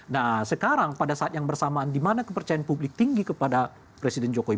nah sekarang pada saat yang bersamaan di mana kepercayaan publik tinggi kepada presiden jokowi